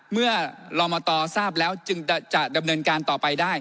เมื่อลมตทราบแล้วจึงจะดำเนินการต่อไปได้